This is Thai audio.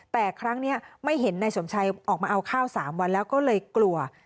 แต่ครั้งนี้ไม่เห็นนายสมชัยออกมาเอาข้าว๓วันแล้วก็เลยกลัว